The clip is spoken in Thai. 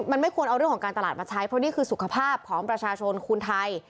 มันไม่ควรเอาเรื่องของการตลาดมาใช้เพราะนี่คือสุขภาพของประชาชนคนไทย